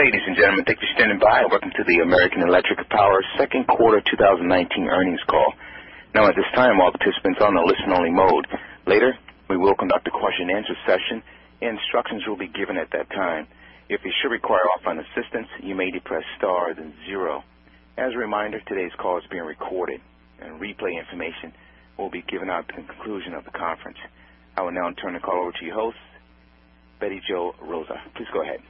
Ladies and gentlemen, thank you for standing by. Welcome to the American Electric Power second quarter 2019 earnings call. Now at this time, all participants on a listen only mode. Later, we will conduct a question-and-answer session. Instructions will be given at that time. If you should require operator assistance, you may press star then zero. As a reminder, today's call is being recorded and replay information will be given out at the conclusion of the conference. I will now turn the call over to your host, Bette Jo Rozsa. Please go ahead.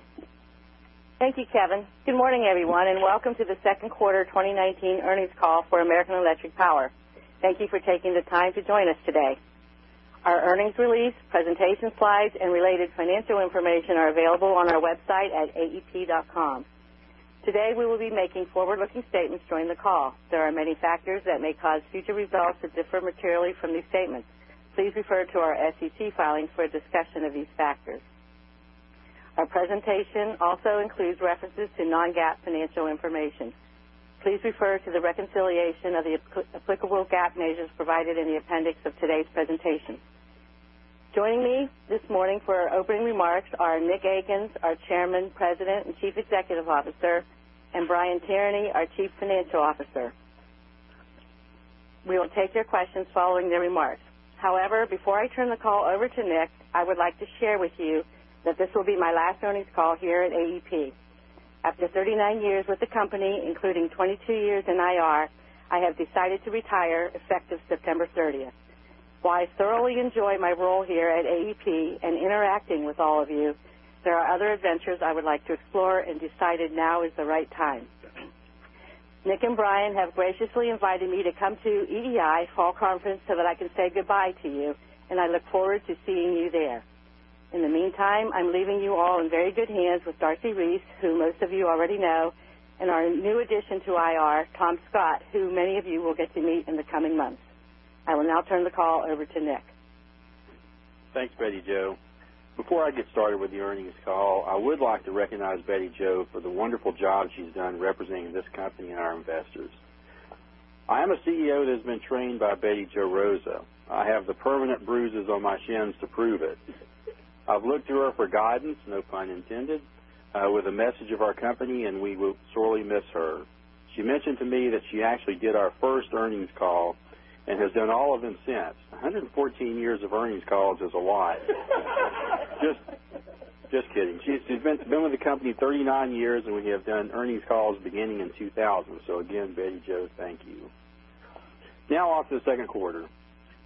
Thank you, Kevin. Good morning, everyone, and welcome to the second quarter 2019 earnings call for American Electric Power. Thank you for taking the time to join us today. Our earnings release, presentation slides, and related financial information are available on our website at aep.com. Today, we will be making forward-looking statements during the call. There are many factors that may cause future results to differ materially from these statements. Please refer to our SEC filings for a discussion of these factors. Our presentation also includes references to non-GAAP financial information. Please refer to the reconciliation of the applicable GAAP measures provided in the appendix of today's presentation. Joining me this morning for our opening remarks are Nick Akins, our Chairman, President, and Chief Executive Officer, and Brian Tierney, our Chief Financial Officer. We will take your questions following their remarks. However, before I turn the call over to Nick, I would like to share with you that this will be my last earnings call here at AEP. After 39 years with the company, including 22 years in IR, I have decided to retire effective September 30th. While I thoroughly enjoyed my role here at AEP and interacting with all of you, there are other adventures I would like to explore and decided now is the right time. Nick and Brian have graciously invited me to come to EEI's fall conference so that I can say goodbye to you, and I look forward to seeing you there. In the meantime, I'm leaving you all in very good hands with Darcy Reese, who most of you already know, and our new addition to IR, Tom Scott, who many of you will get to meet in the coming months. I will now turn the call over to Nick. Thanks, Bette Jo. Before I get started with the earnings call, I would like to recognize Bette Jo for the wonderful job she's done representing this company and our investors. I'm a CEO that has been trained by Bette Jo Rozsa. I have the permanent bruises on my shins to prove it. I've looked to her for guidance, no pun intended, with the message of our company, we will sorely miss her. She mentioned to me that she actually did our first earnings call and has done all of them since. 114 years of earnings calls is a lot. Just kidding. She's been with the company 39 years, we have done earnings calls beginning in 2000. Again, Bette Jo, thank you. Now, onto the second quarter.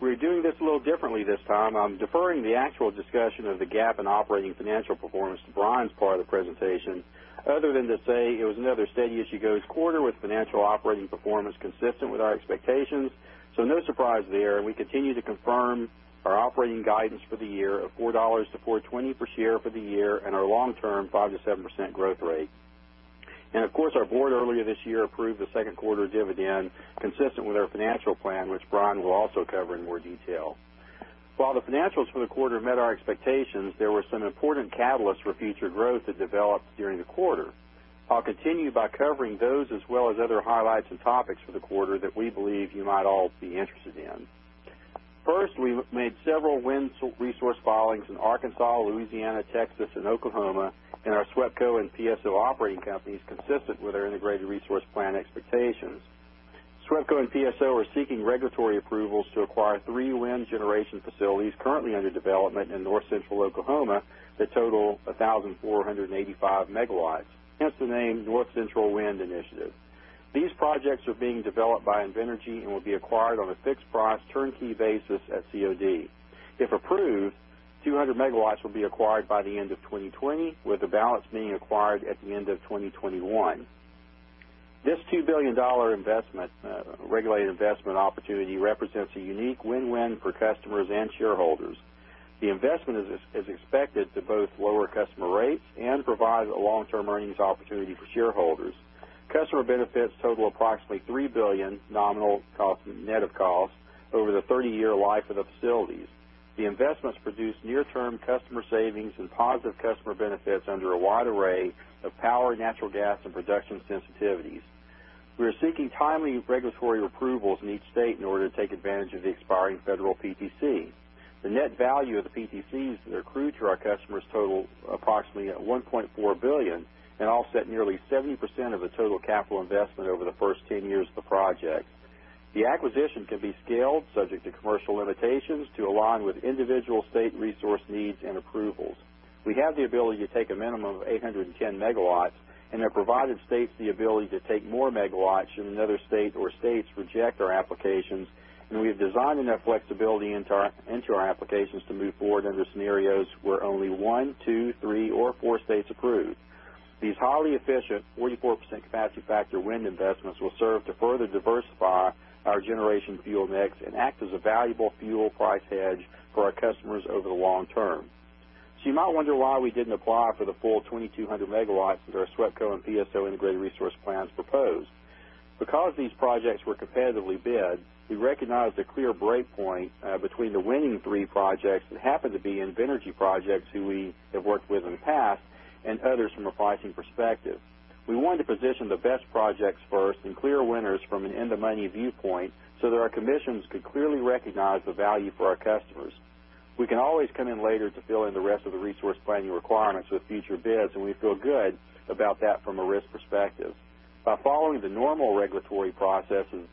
We're doing this a little differently this time. I'm deferring the actual discussion of the GAAP and operating financial performance to Brian for the presentation. Other than to say it was another steady-as-you-go quarter with financial operating performance consistent with our expectations. No surprise there. We continue to confirm our operating guidance for the year of $4 to $4.20 per share for the year and our long-term 5%-7% growth rate. Of course, our board earlier this year approved a second quarter dividend consistent with our financial plan, which Brian will also cover in more detail. While the financials for the quarter met our expectations, there were some important catalysts for future growth that developed during the quarter. I'll continue by covering those, as well as other highlights and topics for the quarter that we believe you might all be interested in. First, we made several wind resource filings in Arkansas, Louisiana, Texas, and Oklahoma in our SWEPCO and PSO operating companies consistent with our integrated resource plan expectations. SWEPCO and PSO are seeking regulatory approvals to acquire three wind generation facilities currently under development in North Central Oklahoma that total 1,485 megawatts. Hence the name North Central Wind Initiative. These projects are being developed by Invenergy and will be acquired on a fixed-price turnkey basis at COD. If approved, 200 megawatts will be acquired by the end of 2020, with the balance being acquired at the end of 2021. This $2 billion investment, regulated investment opportunity, represents a unique win-win for customers and shareholders. The investment is expected to both lower customer rates and provide a long-term earnings opportunity for shareholders. Customer benefits total approximately $3 billion nominal net of costs over the 30-year life of the facilities. The investments produce near-term customer savings and positive customer benefits under a wide array of power, natural gas, and production sensitivities. We are seeking timely regulatory approvals in each state in order to take advantage of the expiring federal PTCs. The net value of the PTCs that accrue to our customers totals approximately $1.4 billion and offset nearly 70% of the total capital investment over the first 10 years of the project. The acquisition can be scaled subject to commercial limitations to align with individual state resource needs and approvals. We have the ability to take a minimum of 810 megawatts, and have provided states the ability to take more megawatts should another state or states reject our applications, and we have designed enough flexibility into our applications to move forward in the scenarios where only one, two, three, or four states approve. These highly efficient 44% capacity factor wind investments will serve to further diversify our generation fuel mix and act as a valuable fuel price hedge for our customers over the long term. You might wonder why we didn't apply for the full 2,200 MW that our SWEPCO and PSO integrated resource plans proposed. Because these projects were competitively bid, we recognized a clear break point between the winning three projects that happen to be Invenergy projects, who we have worked with in the past, and others from a pricing perspective. We want to position the best projects first and clear winners from an end-of-money viewpoint so that our commissions can clearly recognize the value for our customers. We can always come in later to fill in the rest of the resource planning requirements with future bids, and we feel good about that from a risk perspective. By following the normal regulatory processes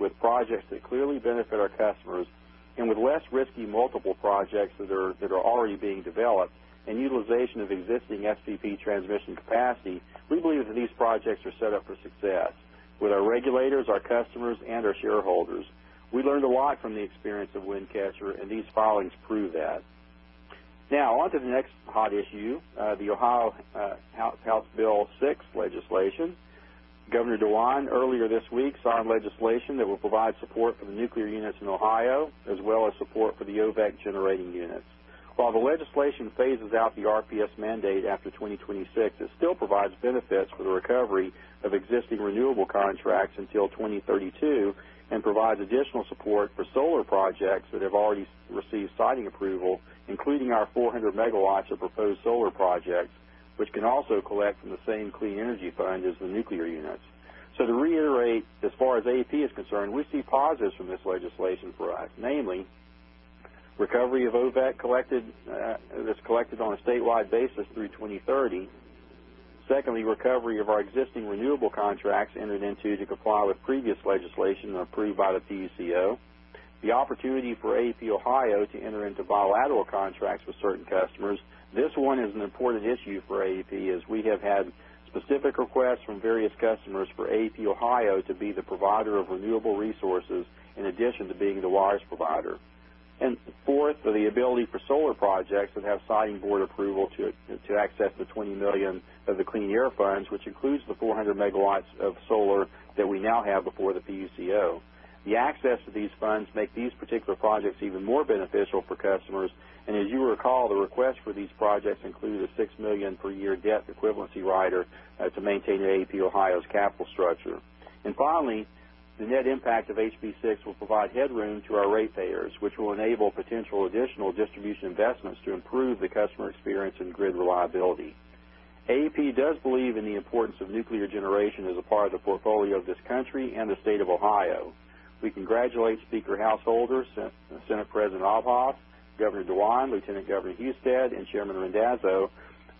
with projects that clearly benefit our customers and with less risky multiple projects that are already being developed and utilization of existing SPP transmission capacity, we believe that these projects are set up for success with our regulators, our customers, and our shareholders. We learned a lot from the experience of Wind Catcher, and these filings prove that. Onto the next hot issue, the Ohio House Bill 6 legislation. Governor DeWine, earlier this week, signed legislation that will provide support for the nuclear units in Ohio, as well as support for the OVEC generating units. While the legislation phases out the RPS mandate after 2026, it still provides benefits for the recovery of existing renewable contracts until 2032 and provides additional support for solar projects that have already received siting approval, including our 400 MW of proposed solar projects, which can also collect from the same clean energy fund as the nuclear units. To reiterate, as far as AEP is concerned, we see positives from this legislation for us. Namely, recovery of OVEC that's collected on a statewide basis through 2030. Secondly, recovery of our existing renewable contracts entered into to comply with previous legislation approved by the PUCO. The opportunity for AEP Ohio to enter into bilateral contracts with certain customers. This one is an important issue for AEP, as we have had specific requests from various customers for AEP Ohio to be the provider of renewable resources in addition to being the largest provider. Fourthly, the ability for solar projects that have siting board approval to access the $20 million of the clean air funds, which includes the 400 MW of solar that we now have before the PUCO. The access to these funds makes these particular projects even more beneficial for customers. As you recall, the request for these projects included a $6 million per year debt equivalency rider to maintain AEP Ohio's capital structure. Finally, the net impact of HB6 will provide headroom to our ratepayers, which will enable potential additional distribution investments to improve the customer experience and grid reliability. AEP does believe in the importance of nuclear generation as a part of the portfolio of this country and the state of Ohio. We congratulate Speaker Householder, Senate President Obhof, Governor DeWine, Lieutenant Governor Husted, and Chairman Randazzo,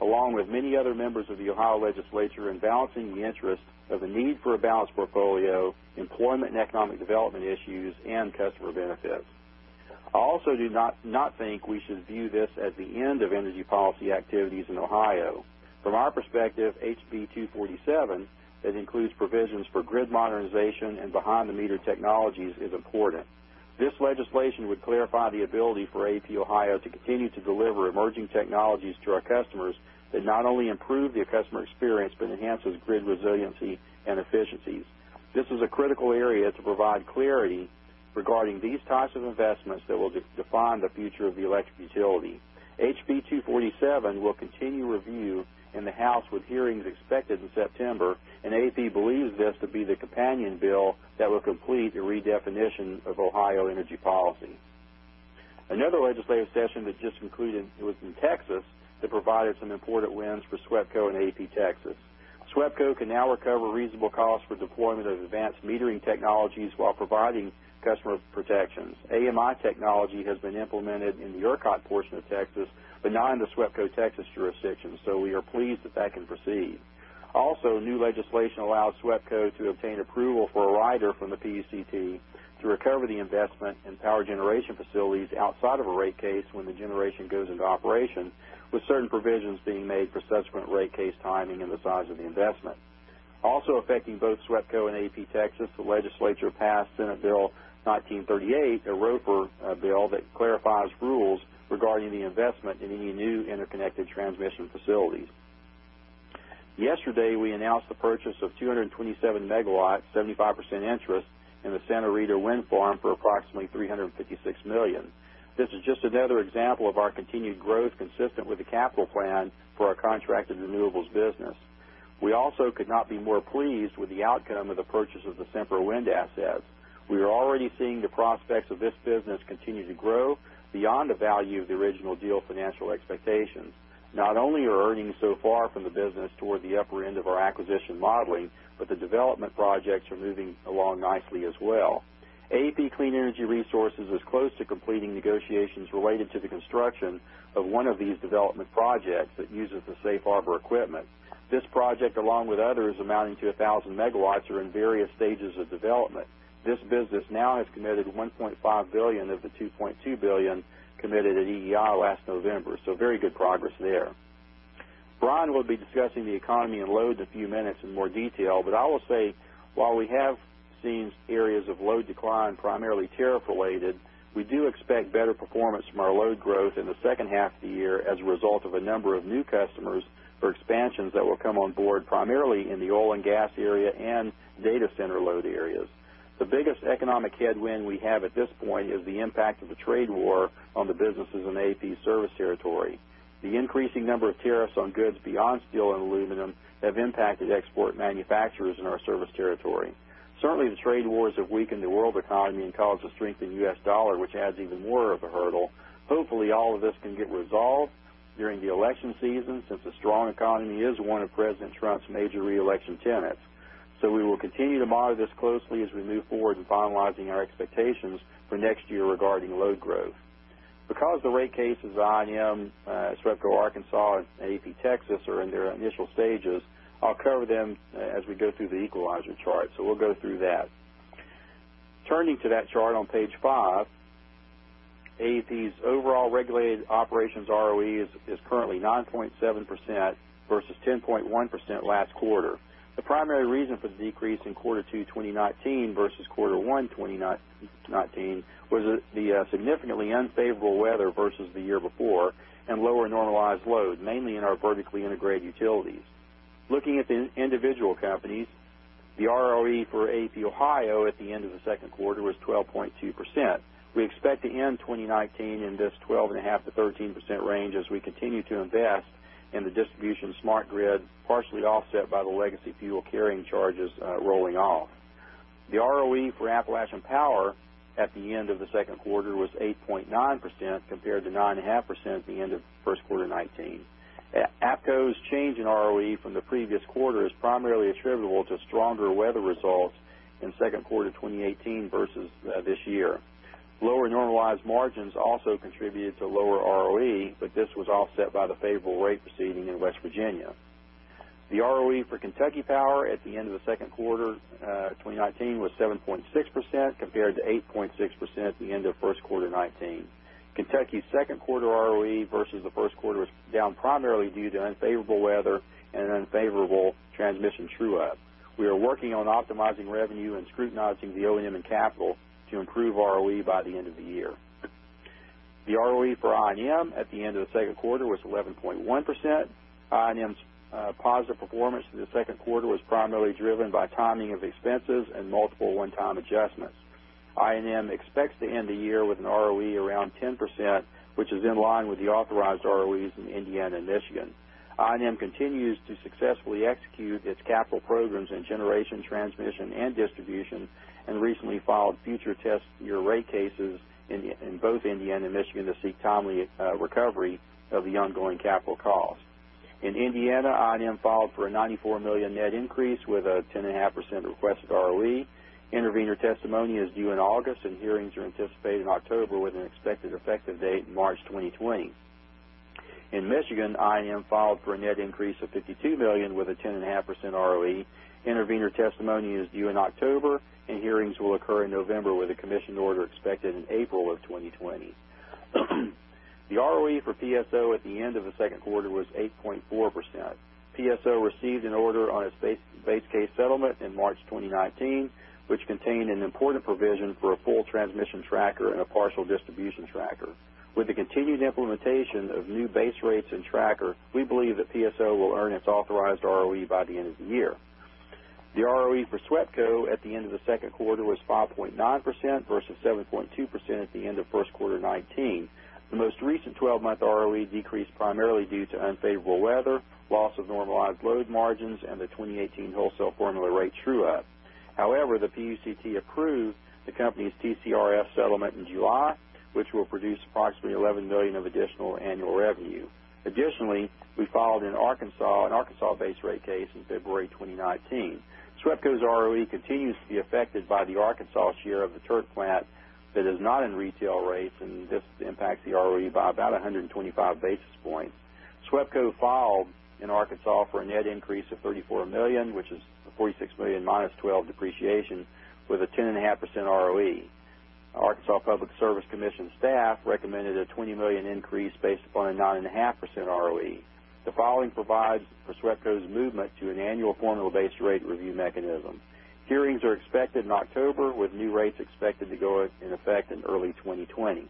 along with many other members of the Ohio Legislature in balancing the interests of the need for a balanced portfolio, employment and economic development issues, and customer benefits. Do not think we should view this as the end of energy policy activities in Ohio. From our perspective, HB 247, that includes provisions for grid modernization and behind-the-meter technologies, is important. This legislation would clarify the ability for AEP Ohio to continue to deliver emerging technologies to our customers that not only improve the customer experience, but enhance the grid resiliency and efficiency. This is a critical area to provide clarity regarding these types of investments that will define the future of the electric utilities. HB 247 will continue review in the House, with hearings expected in September, and AEP believes this to be the companion bill that will complete the redefinition of Ohio energy policy. Another legislative session that just concluded was in Texas that provided some important wins for SWEPCO and AEP Texas. SWEPCO can now recover reasonable costs for deployment of advanced metering technologies while providing customer protections. AMI technology has been implemented in the Yorktown portion of Texas, but not in the SWEPCO Texas jurisdiction, so we are pleased that that can proceed. New legislation allows SWEPCO to obtain approval for a rider from the PUCT to recover the investments in power generation facilities outside of a rate case when the generation goes into operation, with certain provisions being made for subsequent rate case filings and the size of the investment. Affecting both SWEPCO and AEP Texas, the legislature passed Senate Bill 1938, the Roper bill, that clarifies rules regarding the investment in any new interconnected transmission facilities. Yesterday, we announced the purchase of 227 MW, 75% interest, in the Santa Rita East Wind Farm for approximately $356 million. This is just another example of our continued growth consistent with the capital plan for our contracted renewables business. We also could not be more pleased with the outcome of the purchase of the Sempra Wind assets. We are already seeing the prospects of this business continue to grow beyond the value of the original deal financial expectations. Not only are earnings so far from the business toward the upper end of our acquisition modeling, but the development projects are moving along nicely as well. AEP Clean Energy Resources is close to completing negotiations related to the construction of one of these development projects that uses the Safe Harbor equipment. This project, along with others amounting to 1,000 megawatts, are in various stages of development. This business now has committed $1.5 billion of the $2.2 billion committed at EEI last November. Very good progress there. Brian will be discussing the economy and loads a few minutes in more detail, but I will say while we have seen areas of load decline, primarily tariff-related, we do expect better performance from our load growth in the second half of the year as a result of a number of new customers for expansions that will come on board, primarily in the oil and gas area and data center load areas. The biggest economic headwind we have at this point is the impact of the trade war on the businesses in AEP's service territory. The increasing number of tariffs on goods beyond steel and aluminum have impacted export manufacturers in our service territory. Certainly, the trade wars have weakened the world economy and caused a strengthened U.S. dollar, which adds even more of a hurdle. Hopefully, all of this can get resolved during the election season, since a strong economy is one of President Trump's major reelection tenets. We will continue to monitor this closely as we move forward in finalizing our expectations for next year regarding load growth. Because the rate cases on I&M, SWEPCO Arkansas, and AEP Texas are in their initial stages, I'll cover them as we go through the equalizer chart. We'll go through that. Turning to that chart on page five, AEP's overall regulated operations ROE is currently 9.7% versus 10.1% last quarter. The primary reason for the decrease in Q2 2019 versus Q1 2019 was the significantly unfavorable weather versus the year before and lower normalized loads, mainly in our vertically integrated utilities. Looking at the individual companies, the ROE for AEP Ohio at the end of the second quarter was 12.2%. We expect to end 2019 in this 12.5%-13% range as we continue to invest in the distribution smart grid, partially offset by the legacy fuel carrying charges rolling off. The ROE for Appalachian Power at the end of the second quarter was 8.9% compared to 9.5% at the end of first quarter 2019. APCo's change in ROE from the previous quarter is primarily attributable to stronger weather results in second quarter 2018 versus this year. Lower normalized margins also contribute to lower ROE. This was offset by the favorable rate proceeding in West Virginia. The ROE for Kentucky Power at the end of the second quarter 2019 was 7.6% compared to 8.6% at the end of first quarter 2019. Kentucky's second-quarter ROE versus the first quarter was down primarily due to unfavorable weather and unfavorable transmission true-ups. We are working on optimizing revenue and scrutinizing the O&M capital to improve ROE by the end of the year. The ROE for I&M at the end of the second quarter was 11.1%. I&M's positive performance in the second quarter was primarily driven by timing of expenses and multiple one-time adjustments. I&M expects to end the year with an ROE around 10%, which is in line with the authorized ROEs in Indiana and Michigan. I&M continues to successfully execute its capital programs in generation, transmission, and distribution, recently filed future test-year rate cases in both Indiana and Michigan to seek timely recovery of the ongoing capital costs. In Indiana, I&M filed for a $94 million net increase with a 10.5% requested ROE. Intervenor testimony is due in August, hearings are anticipated in October with an expected effective date in March 2020. In Michigan, I&M filed for a net increase of $52 million with a 10.5% ROE. Intervenor testimony is due in October, and hearings will occur in November with a commission order expected in April of 2020. The ROE for PSO at the end of the second quarter was 8.4%. PSO received an order on its base case settlement in March 2019, which contained an important provision for a full transmission tracker and a partial distribution tracker. With the continued implementation of new base rates and tracker, we believe that PSO will earn its authorized ROE by the end of the year. The ROE for SWEPCO at the end of the second quarter was 5.9% versus 7.2% at the end of first quarter 2019. The most recent 12-month ROE decreased primarily due to unfavorable weather, loss of normalized load margins, and the 2018 wholesale formula rate true-up. However, the PUCT approved the company's PPRF settlement in July, which will produce approximately $11 million of additional annual revenue. We filed an Arkansas base rate case in February 2019. SWEPCO's ROE continues to be affected by the Arkansas share of the Turk plant that is not in retail rates and this impacts the ROE by about 125 basis points. SWEPCO filed in Arkansas for a net increase of $34 million, which is $46 million minus $12 depreciation with a 10.5% ROE. Arkansas Public Service Commission staff recommended a $20 million increase based upon a 9.5% ROE. The filing provides for SWEPCO's movement to an annual formula-based rate review mechanism. Hearings are expected in October with new rates expected to go into effect in early 2020.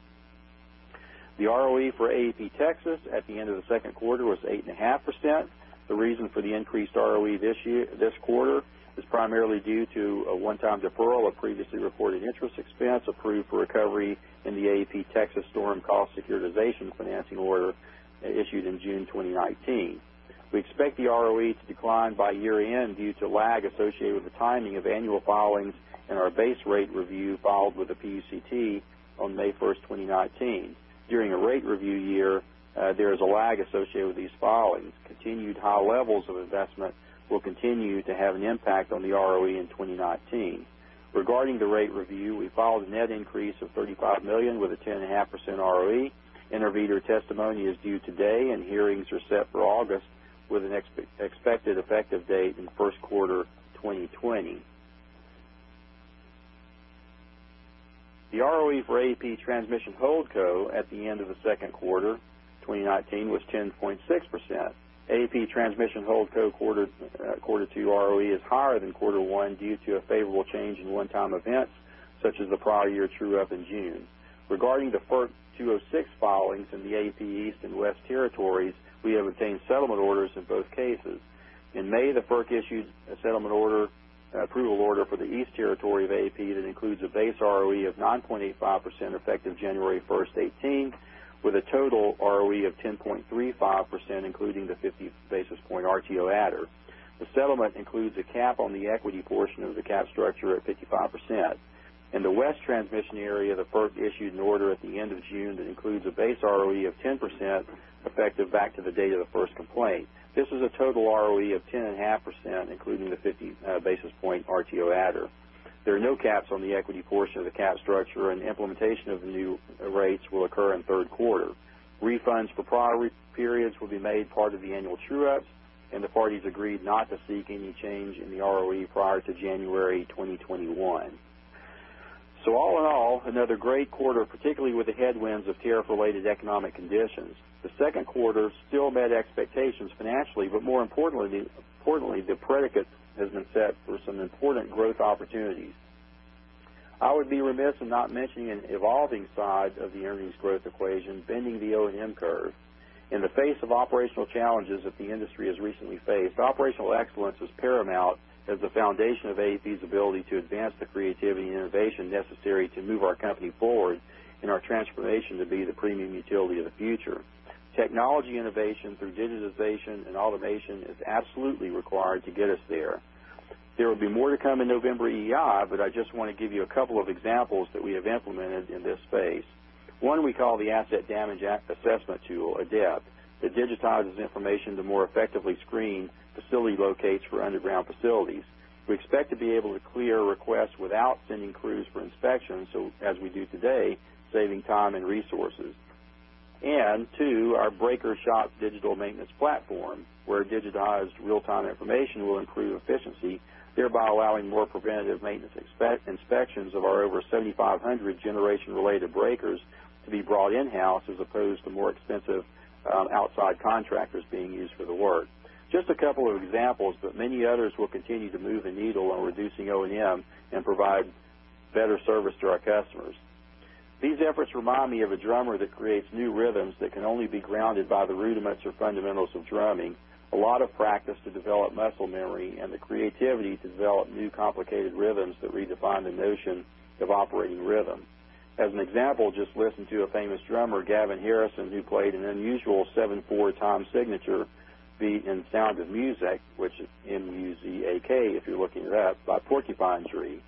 The ROE for AEP Texas at the end of the second quarter was 8.5%. The reason for the increased ROE this quarter is primarily due to a one-time deferral of previously reported interest expense approved for recovery in the AEP Texas Storm Cost Securitization Financing Order issued in June 2019. We expect the ROE to decline by year-end due to lag associated with the timing of annual filings and our base rate review filed with the PUCT on May 1st, 2019. During a rate review year, there is a lag associated with these filings. Continued high levels of investment will continue to have an impact on the ROE in 2019. Regarding the rate review, we filed a net increase of $35 million with a 10.5% ROE. Intervenor testimony is due today, and hearings are set for August with an expected effective date in the first quarter of 2020. The ROE for AEP Transmission Holdco at the end of the second quarter 2019 was 10.6%. AEP Transmission Holdco quarter two ROE is higher than quarter one due to a favorable change in one-time events, such as the prior year true-up in June. Regarding the FERC 206 filings for the AEP East and AEP West territories, we have obtained settlement orders in both cases. In May, the FERC issued a settlement order, an approval order for the AEP East territory that includes a base ROE of 9.85%, effective January 1st, 2018, with a total ROE of 10.35%, including the 50 basis point RTO adder. The settlement includes a cap on the equity portion of the cap structure at 55%. In the West Transmission area, the FERC issued an order at the end of June that includes a base ROE of 10%, effective back to the date of the first complaint. This is a total ROE of 10.5%, including the 50 basis point RTO adder. There are no caps on the equity portion of the cap structure, and implementation of the new rates will occur in third quarter. Refunds for prior periods will be made part of the annual true-up, and the parties agreed not to seek any change in the ROE prior to January 2021. All in all, another great quarter, particularly with the headwinds of tariff-related economic conditions. The second quarter still met expectations financially, but more importantly, the predicate has been set for some important growth opportunities. I would be remiss in not mentioning an evolving side of the earnings growth equation, bending the O&M curve. In the face of operational challenges that the industry has recently faced, operational excellence is paramount as the foundation of AEP's ability to advance the creativity and innovation necessary to move our company forward in our transformation to be the premium utility of the future. Technology innovations and digitization and automation is absolutely required to get us there. There will be more to come in November EIC, but I just want to give you a couple of examples that we have implemented in this space. One we call the Asset Damage Assessment Tool, ADAT, that digitizes information to more effectively screen facility locates for underground facilities. We expect to be able to clear requests without sending crews for inspections, as we do today, saving time and resources. Two, our BreakerShop digital maintenance platform, where digitized real-time information will improve efficiency, thereby allowing more preventative maintenance inspections of our over 7,500 generation-related breakers to be brought in-house as opposed to more expensive outside contractors being used for the work. Just a couple of examples, but many others will continue to move the needle on reducing O&M and provide better service to our customers. These efforts remind me of a drummer that creates new rhythms that can only be grounded by the rudimentary fundamentals of drumming, a lot of practice to develop muscle memory, and the creativity to develop new complicated rhythms that redefine the notion of operating rhythms. As an example, just listen to a famous drummer, Gavin Harrison, who played an unusual 7/4 time signature, "Beat" in Sound of Muzak, which is in Muzak, if you're looking it up, by Porcupine Tree.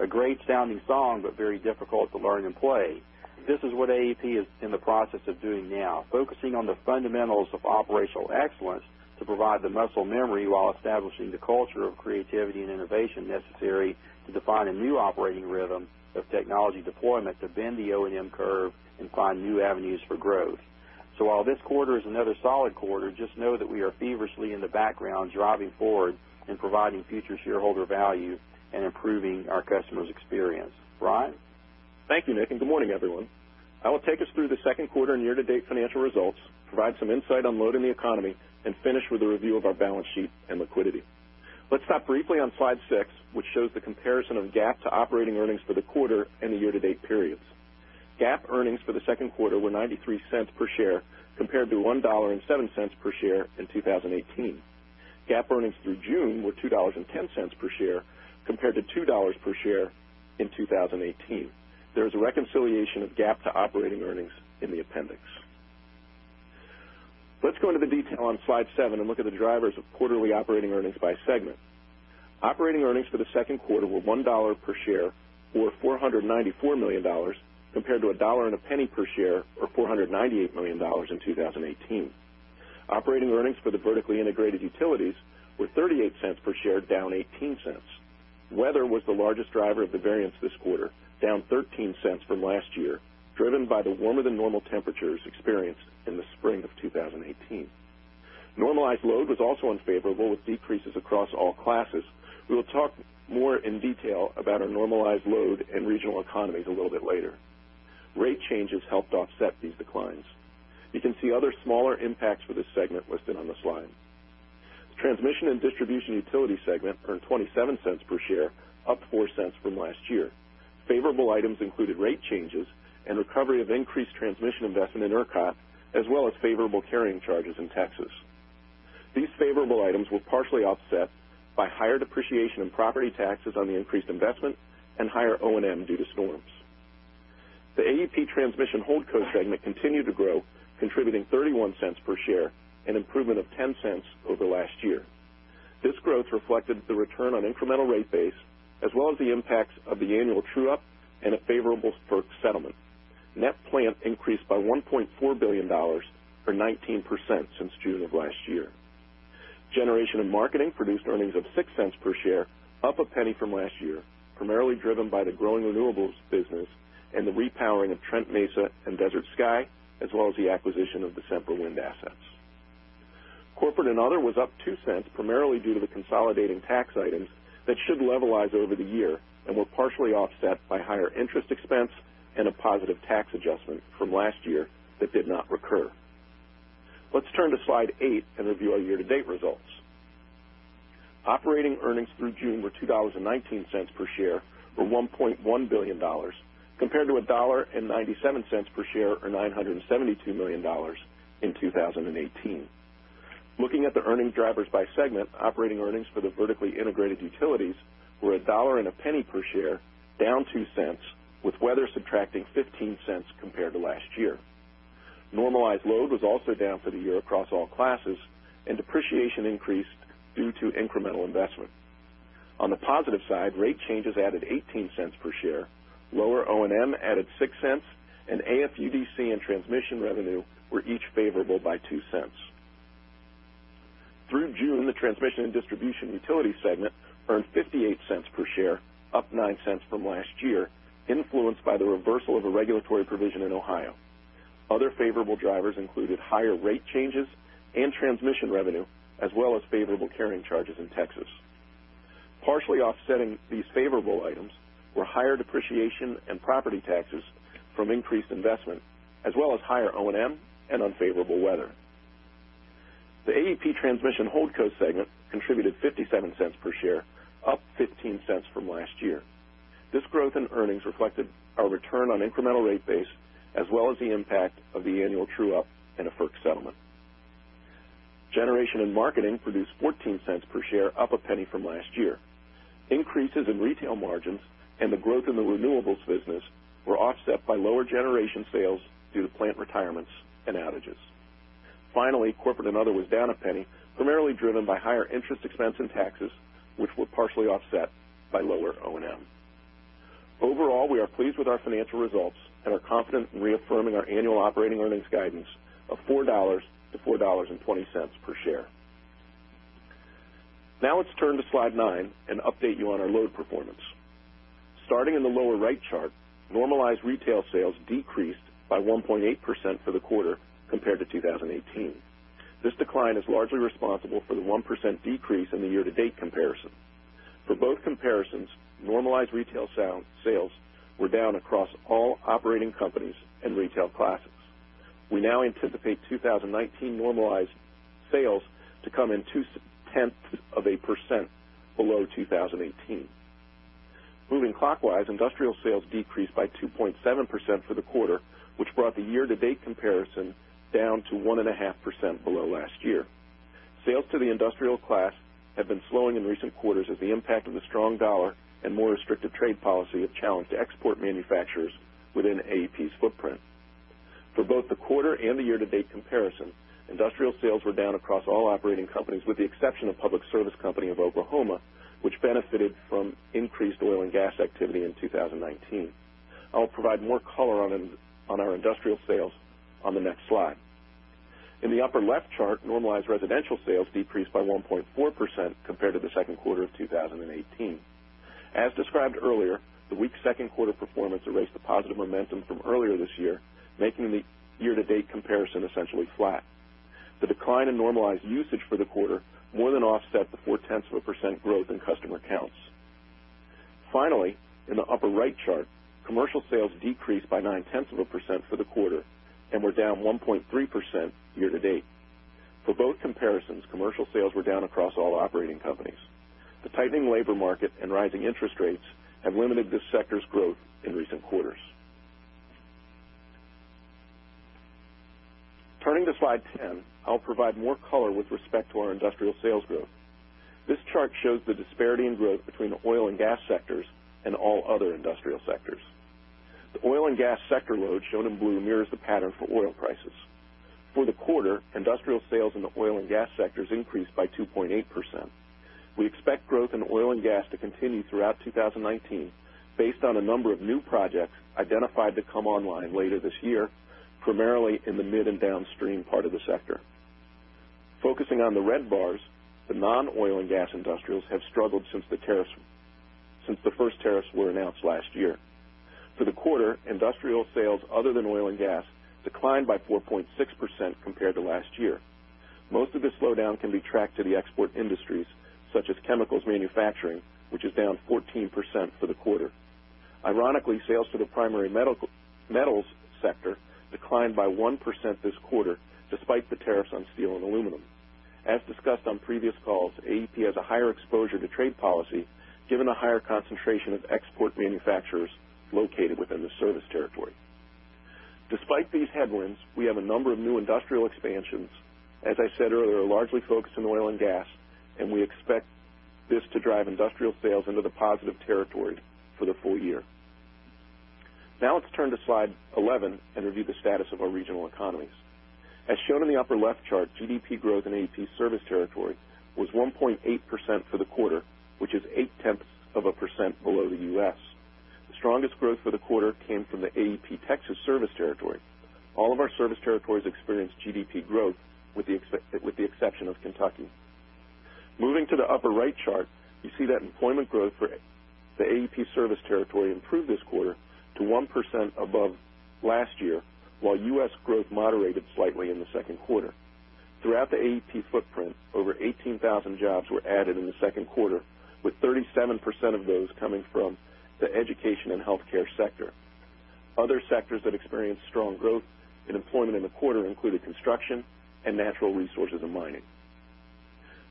A great sounding song, but very difficult to learn and play. This is what AEP is in the process of doing now, focusing on the fundamentals of operational excellence to provide the muscle memory while establishing the culture of creativity and innovation necessary to define a new operating rhythm of technology deployment that bend the O&M curve and find new avenues for growth. While this quarter is another solid quarter, just know that we are feverishly in the background driving forward and providing future shareholder value and improving our customers' experience. Brian? Thank you, Nick. Good morning, everyone. I will take us through the second quarter and year-to-date financial results, provide some insight on load and the economy, and finish with a review of our balance sheet and liquidity. Let's stop briefly on slide six, which shows the comparison of GAAP to operating earnings for the quarter and the year-to-date periods. GAAP earnings for the second quarter were $0.93 per share compared to $1.07 per share in 2018. GAAP earnings through June were $2.10 per share compared to $2.00 per share in 2018. There is a reconciliation of GAAP to operating earnings in the appendix. Let's go into the detail on slide seven and look at the drivers of quarterly operating earnings by segment. Operating earnings for the second quarter were $1.00 per share, or $494 million, compared to $1.01 per share, or $498 million in 2018. Operating earnings for the vertically integrated utilities were $0.38 per share, down $0.18. Weather was the largest driver of the variance this quarter, down $0.13 from last year, driven by the warmer-than-normal temperatures experienced in the spring of 2018. Normalized load was also unfavorable, with decreases across all classes. We will talk more in detail about our normalized load and regional economies a little bit later. Rate changes helped offset these declines. You can see other smaller impacts for this segment listed on the slide. The transmission and distribution utility segment earned $0.27 per share, up $0.04 from last year. Favorable items included rate changes and recovery of increased transmission investment in ERCOT, as well as favorable carrying charges in Texas. These favorable items were partially offset by higher depreciation and property taxes on the increased investment and higher O&M due to storms. The AEP Transmission Holdco segment continued to grow, contributing $0.31 per share, an improvement of $0.10 over last year. This growth reflected the return on incremental rate base, as well as the impacts of the annual true-up and a favorable FERC settlement. Net plant increased by $1.4 billion, or 19% since June of last year. Generation and marketing produced earnings of $0.06 per share, up $0.01 from last year, primarily driven by the growing renewables business and the repowering of Trent Mesa and Desert Sky, as well as the acquisition of the Sempra Wind assets. Corporate and other was up $0.02, primarily due to the consolidating tax items that should levelize over the year and were partially offset by higher interest expense and a positive tax adjustment from last year that did not recur. Let's turn to slide eight and review our year-to-date results. Operating earnings through June were $2.19 per share, or $1.1 billion, compared to $1.97 per share, or $972 million in 2018. Looking at the earnings drivers by segment, operating earnings for the vertically integrated utilities were $1.01 per share, down $0.02, with weather subtracting $0.15 compared to last year. Normalized load was also down for the year across all classes, and depreciation increased due to incremental investment. On the positive side, rate changes added $0.18 per share, lower O&M added $0.06, and AFUDC and transmission revenue were each favorable by $0.02. Through June, the transmission and distribution utility segment earned $0.58 per share, up $0.09 from last year, influenced by the reversal of a regulatory provision in Ohio. Other favorable drivers included higher rate changes and transmission revenue, as well as favorable carrying charges in Texas. Partially offsetting these favorable items were higher depreciation and property taxes from increased investment, as well as higher O&M and unfavorable weather. The AEP Transmission Holdco segment contributed $0.57 per share, up $0.15 from last year. This growth in earnings reflected our return on incremental rate base, as well as the impact of the annual true-up and a FERC settlement. Generation and marketing produced $0.14 per share, up $0.01 from last year. Increases in retail margins and the growth in the renewables business were offset by lower generation sales due to plant retirements and outages. Finally, corporate and other was down $0.01, primarily driven by higher interest expense and taxes, which were partially offset by lower O&M. Overall, we are pleased with our financial results and are confident in reaffirming our annual operating earnings guidance of $4-$4.20 per share. Now let's turn to slide nine and update you on our load performance. Starting in the lower right chart, normalized retail sales decreased by 1.8% for the quarter compared to 2018. This decline is largely responsible for the 1% decrease in the year-to-date comparison. For both comparisons, normalized retail sales were down across all operating companies and retail classes. We now anticipate 2019 normalized sales to come in 0.2% below 2018. Moving clockwise, industrial sales decreased by 2.7% for the quarter, which brought the year-to-date comparison down to 1.5% below last year. Sales to the industrial class have been slowing in recent quarters as the impact of the strong dollar and more restrictive trade policy have challenged export manufacturers within AEP's footprint. For both the quarter and the year-to-date comparison, industrial sales were down across all operating companies, with the exception of Public Service Company of Oklahoma, which benefited from increased oil and gas activity in 2019. I'll provide more color on our industrial sales on the next slide. In the upper left chart, normalized residential sales decreased by 1.4% compared to the second quarter of 2018. As described earlier, the weak second quarter performance erased the positive momentum from earlier this year, making the year-to-date comparison essentially flat. The decline in normalized usage for the quarter more than offset the four-tenths of a percent growth in customer counts. Finally, in the upper right chart, commercial sales decreased by nine-tenths of a percent for the quarter and were down 1.3% year-to-date. For both comparisons, commercial sales were down across all operating companies. The tightening labor market and rising interest rates have limited this sector's growth in recent quarters. Turning to slide 10, I'll provide more color with respect to our industrial sales growth. This chart shows the disparity in growth between the oil and gas sectors and all other industrial sectors. The oil and gas sector load, shown in blue, mirrors the pattern for oil prices. For the quarter, industrial sales in the oil and gas sectors increased by 2.8%. We expect growth in oil and gas to continue throughout 2019 based on a number of new projects identified to come online later this year, primarily in the mid and downstream part of the sector. Focusing on the red bars, the non-oil and gas industrials have struggled since the first tariffs were announced last year. For the quarter, industrial sales other than oil and gas declined by 4.6% compared to last year. Most of the slowdown can be tracked to the export industries such as chemicals manufacturing, which is down 14% for the quarter. Ironically, sales to the primary metals sector declined by 1% this quarter, despite the tariffs on steel and aluminum. As discussed on previous calls, AEP has a higher exposure to trade policy, given a higher concentration of export manufacturers located within the service territory. Despite these headwinds, we have a number of new industrial expansions, as I said earlier, largely focused on oil and gas, and we expect this to drive industrial sales into the positive territory for the full year. Let's turn to slide 11 and review the status of our regional economies. As shown in the upper left chart, GDP growth in AEP's service territory was 1.8% for the quarter, which is eight-tenths of a % below the U.S. The strongest growth for the quarter came from the AEP Texas service territory. All of our service territories experienced GDP growth, with the exception of Kentucky. Moving to the upper right chart, you see that employment growth for the AEP service territory improved this quarter to 1% above last year, while U.S. growth moderated slightly in the second quarter. Throughout the AEP footprint, over 18,000 jobs were added in the second quarter, with 37% of those coming from the education and healthcare sector. Other sectors that experienced strong growth in employment in the quarter included construction and natural resources and mining.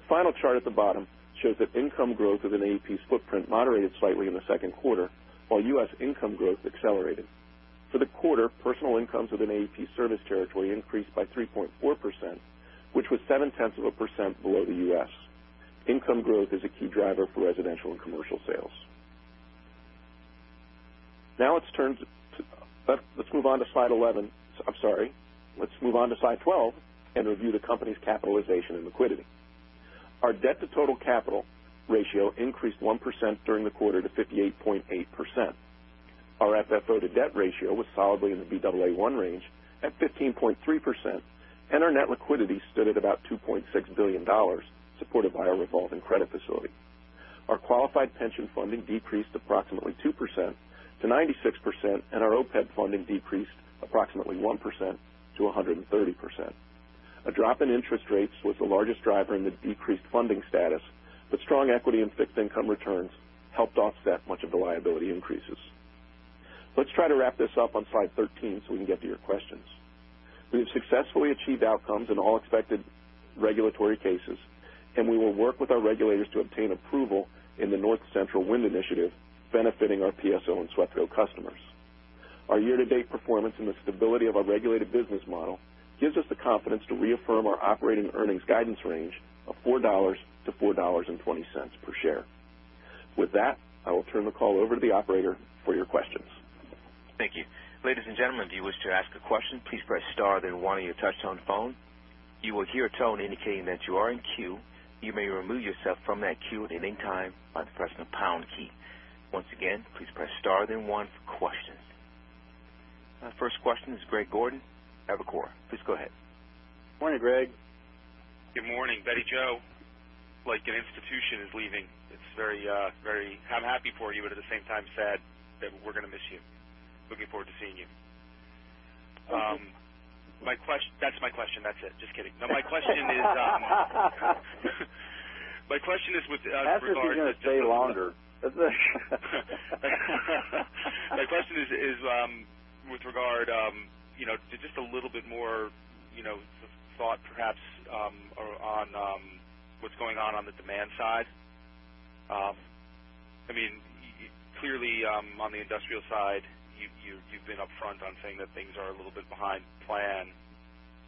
The final chart at the bottom shows that income growth within AEP's footprint moderated slightly in the second quarter, while U.S. income growth accelerated. For the quarter, personal income within AEP's service territory increased by 3.4%, which was seven-tenths of a percent below the U.S. Income growth is a key driver for residential and commercial sales. Let's move on to slide 11. I'm sorry. Let's move on to slide 12 and review the company's capitalization and liquidity. Our debt to total capital ratio increased 1% during the quarter to 58.8%. Our FFO to debt ratio was solidly in the Baa1 range at 15.3%, and our net liquidity stood at about $2.6 billion, supported by our revolving credit facility. Our qualified pension funding decreased approximately 2% to 96%, and our OPEB funding decreased approximately 1% to 130%. A drop in interest rates was the largest driver in the decreased funding status, but strong equity and fixed income returns helped offset much of the liability increases. Let's try to wrap this up on slide 13 so we can get to your questions. We have successfully achieved outcomes in all expected regulatory cases, and we will work with our regulators to obtain approval in the North Central Wind Initiative, benefiting our PSO and SWEPCO customers. Our year-to-date performance and the stability of our regulated business model gives us the confidence to reaffirm our operating earnings guidance range of $4-$4.20 per share. With that, I will turn the call over to the operator for your questions. Thank you. Ladies and gentlemen, if you wish to ask a question, please press star then one on your touch-tone phone. You will hear a tone indicating that you are in queue. You may remove yourself from that queue at any time by pressing the pound key. Once again, please press star then one for questions. Our first question is Greg Gordon, Evercore. Please go ahead. Morning, Greg. Good morning, Bette Jo. Like an institution is leaving. I'm happy for you, but at the same time, sad that we're going to miss you. Looking forward to seeing you. Thank you. That's my question. That's it. Just kidding. My question is with regard to. I thought you were going to stay longer. My question is with regard to just a little bit more thought perhaps, on what's going on on the demand side. Clearly, on the industrial side, you've been upfront on saying that things are a little bit behind plan,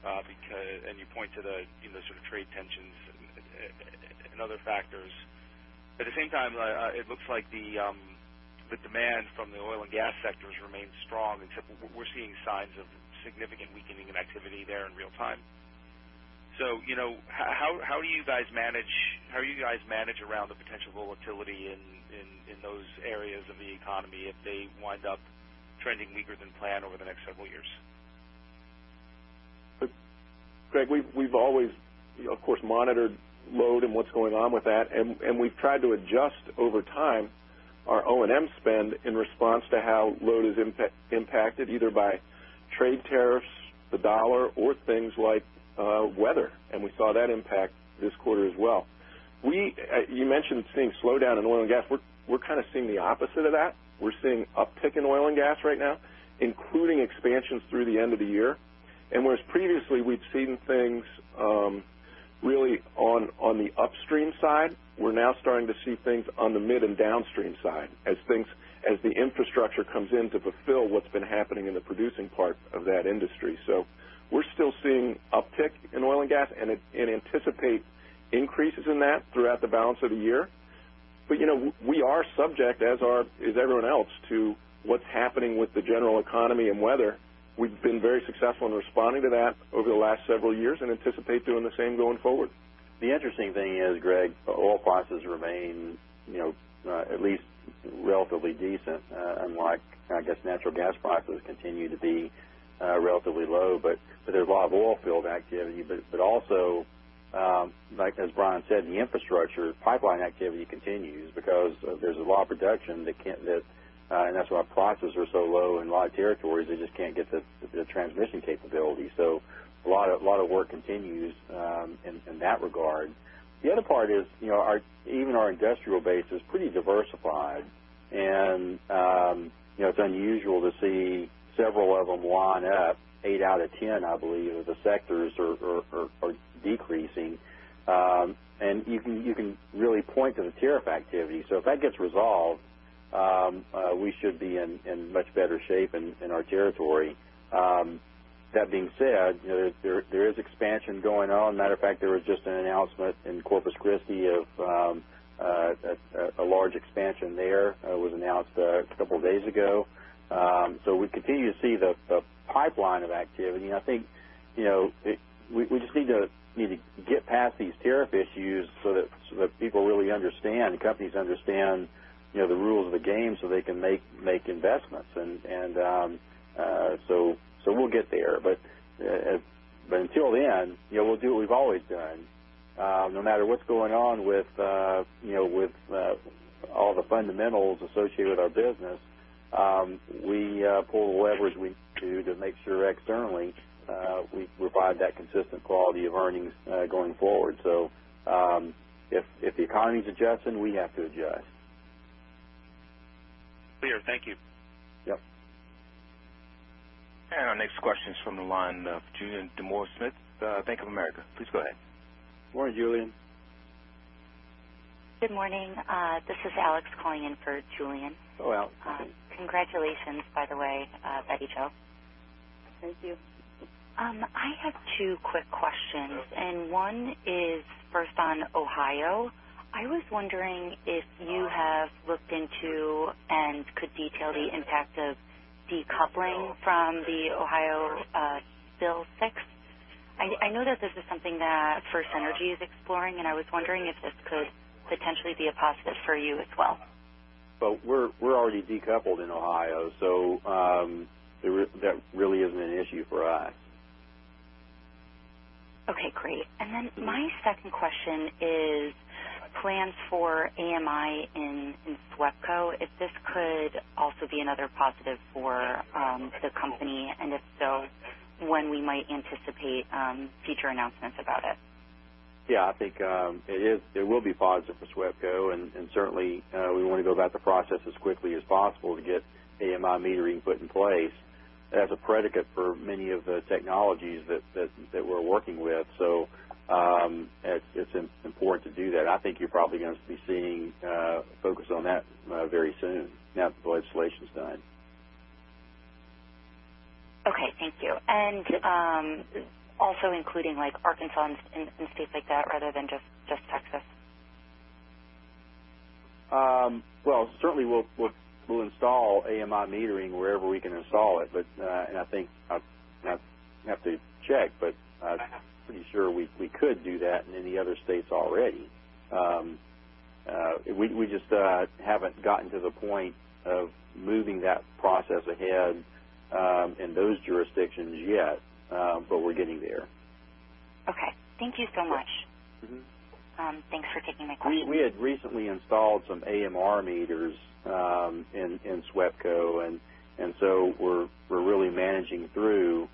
and you point to the sort of trade tensions and other factors. At the same time, it looks like the demand from the oil and gas sectors remains strong, except we're seeing signs of significant weakening of activity there in real-time. How do you guys manage around the potential volatility in those areas of the economy if they wind up trending weaker than planned over the next several years? Greg, we've always, of course, monitored load and what's going on with that, and we've tried to adjust over time our O&M spend in response to how load is impacted, either by trade tariffs, the dollar, or things like weather. We saw that impact this quarter as well. You mentioned things slow down in oil and gas. We're kind of seeing the opposite of that. We're seeing uptick in oil and gas right now, including expansions through the end of the year. Whereas previously we'd seen things really on the upstream side, we're now starting to see things on the mid and downstream side as the infrastructure comes in to fulfill what's been happening in the producing part of that industry. We're still seeing uptick in oil and gas, and anticipate increases in that throughout the balance of the year. We are subject, as everyone else, to what's happening with the general economy and weather. We've been very successful in responding to that over the last several years and anticipate doing the same going forward. The interesting thing is, Greg, oil prices remain at least relatively decent. Unlike, I guess, natural gas prices continue to be relatively low, but there's a lot of oil field activity. Like as Brian said, the infrastructure pipeline activity continues because there's a lot of production. The natural gas prices are so low in large territories, they just can't get the transmission capability. A lot of work continues in that regard. The other part is even our industrial base is pretty diversified, and it's unusual to see several out of a lot, eight out of 10, I believe, of the sectors are decreasing. You can really point to the tariff activity. If that gets resolved, we should be in much better shape in our territory. That being said, there is expansion going on. Matter of fact, there was just an announcement in Corpus Christi of a large expansion there. It was announced a couple of days ago. We continue to see the pipeline of activity. I think we just need to get past these tariff issues so that people really understand, companies understand the rules of the game so they can make investments. We'll get there. Until then, we'll do what we've always done. No matter what's going on with all the fundamentals associated with our business, we pull leverage. We do to make sure externally, we provide that consistent quality of earnings, going forward. If the economy's adjusting, we have to adjust. Clear. Thank you. Yep. Our next question is from the line of Julien Dumoulin-Smith, Bank of America. Please go ahead. Morning, Julien. Good morning. This is Alex calling in for Julien. Hello, Alex. Congratulations, by the way, Bette Jo. Thank you. I have two quick questions. Okay. One is first on Ohio. I was wondering if you have looked into and could detail the impact of decoupling from the Ohio Bill 6. I know that this is something that FirstEnergy is exploring. I was wondering if this could potentially be a positive for you as well. Well, we're already decoupled in Ohio, so that really isn't an issue for us. Okay, great. My second question is plans for AMI in SWEPCO, if this could also be another positive for the company, and if so, when we might anticipate future announcements about it. I think it will be positive for SWEPCO. Certainly, we want to go about the process as quickly as possible to get AMI metering put in place as a predicate for many of the technologies that we're working with. It's important to do that. You're probably going to be seeing focus on that very soon, now that the legislation's done. Okay, thank you. Also including like Arkansas and states like that rather than just Texas. Well, certainly we'll install AMI metering wherever we can install it. I'd have to check, but I'm pretty sure we could do that in the other states already. We just haven't gotten to the point of moving that process ahead in those jurisdictions yet. We're getting there. Okay. Thank you so much. Thanks for taking my call. We had recently installed some AMR meters in SWEPCO, we're really managing through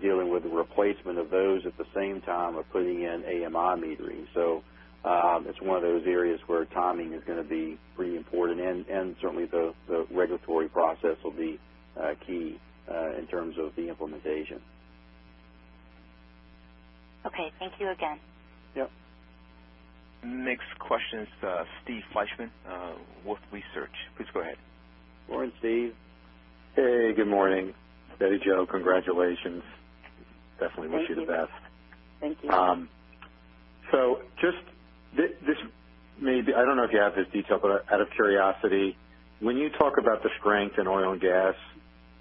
dealing with the replacement of those at the same time we're putting in AMI metering. It's one of those areas where timing is going to be pretty important, and certainly the regulatory process will be key in terms of the implementation. Okay, thank you again. Yep. Next question is Steve Fleishman, Wolfe Research. Please go ahead. Morning, Steve. Hey, good morning. Bette Jo, congratulations. Definitely wish you the best. Thank you. Just, maybe, I don't know if you have this detail, but out of curiosity, when you talk about the strength in oil and gas,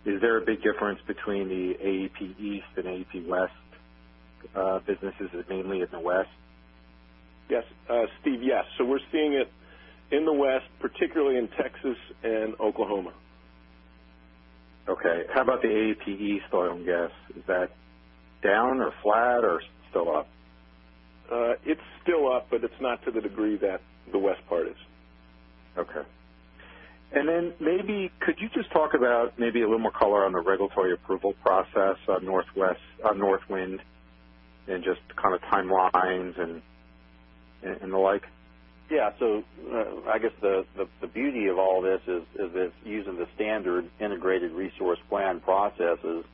is there a big difference between the AEP East and AEP West businesses, mainly in the West? Yes. Steve, yes. We're seeing it in the West, particularly in Texas and Oklahoma. Okay. How about the AEP East oil and gas? Is that down or flat or still up? It's still up, but it's not to the degree that the West part is. Okay. Then maybe could you just talk about a little more color on the regulatory approval process on [North Wind] and just kind of timelines and the like? Yeah. I guess the beauty of all this is it's using the standard integrated resource plan processes.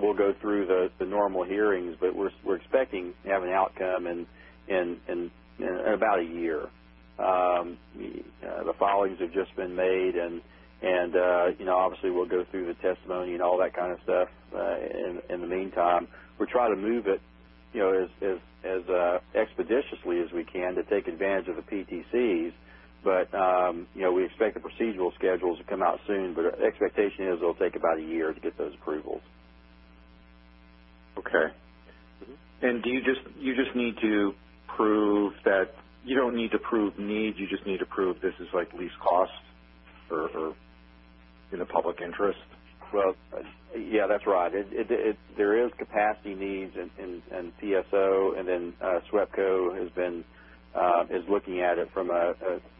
We'll go through the normal hearings, but we're expecting to have an outcome in about a year. The filings have just been made and obviously we'll go through the testimony and all that kind of stuff. In the meantime, we'll try to move it as expeditiously as we can to take advantage of the PTCs. We expect the procedural schedules to come out soon, but our expectation is it'll take about a year to get those approvals. Okay. You don't need to prove needs, you just need to prove this is like least cost or in the public interest? Well, yeah, that's right. There is capacity needs and PSO and then SWEPCO is looking at it from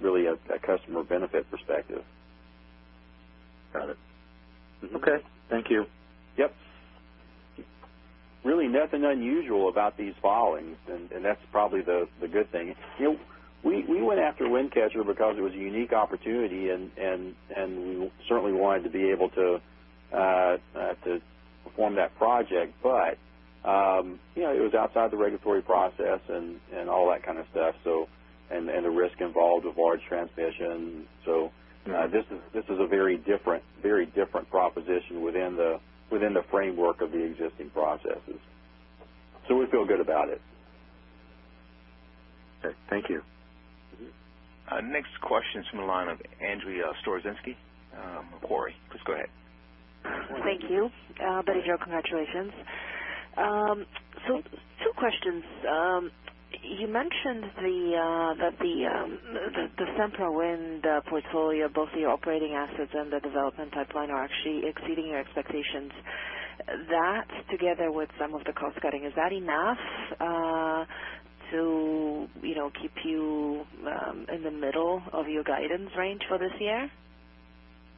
really a customer benefit perspective. Got it. Okay. Thank you. Yep. Really nothing unusual about these filings. That's probably the good thing. We went after Wind Catcher because it was a unique opportunity and we certainly wanted to be able to perform that project. It was outside the regulatory process and all that kind of stuff, and the risk involved of large transmission. This is a very different proposition within the framework of the existing processes. We feel good about it. Sure. Thank you. Next question is from the line of Angie Storozynski, Evercore. Please go ahead. Thank you. Bette Jo, congratulations. Thanks. Two questions. You mentioned that the Central Wind portfolio, both the operating assets and the development pipeline, are actually exceeding your expectations. That together with some of the cost-cutting, is that enough to keep you in the middle of your guidance range for this year?